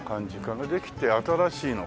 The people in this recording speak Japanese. できて新しいのかしら？